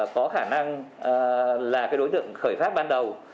có khả năng là đối tượng khởi phát ban đầu